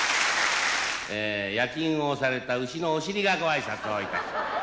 焼き印を押された牛のお尻がご挨拶をいたします。